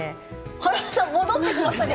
華丸さん、戻ってきましたね。